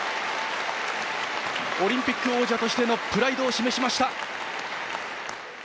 オリンピック王者としてのプライドを示しました。